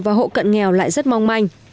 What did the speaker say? hộ nghèo và hộ cận nghèo lại rất mong manh